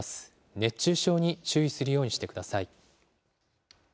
熱中症に注意するようにしてください。